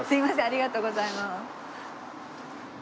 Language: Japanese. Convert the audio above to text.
ありがとうございます。